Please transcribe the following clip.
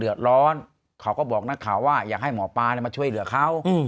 เดือดร้อนขาวก็บอกงัดถัวรจอยากให้หมอปามาช่วยเหลือเขา